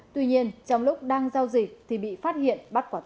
tuy nhiên trong lúc đang giao dịch thì bị phát hiện